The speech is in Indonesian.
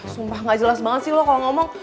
sumpah gak jelas banget sih lo kalau ngomong